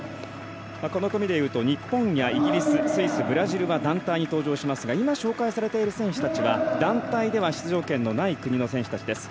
この組で言うと日本やイギリス、スイス、ブラジルは団体に登場しますが今、紹介されている選手たちは団体では出場権のない国の選手たちです。